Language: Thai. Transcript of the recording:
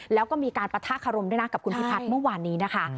แล้วก็มีการปะทะคารมด้วยนะกับคุณพิพัฒน์เมื่อวานนี้นะคะ